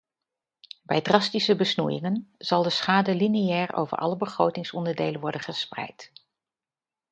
Bij drastische besnoeiingen zal de schade lineair over alle begrotingsonderdelen worden gespreid.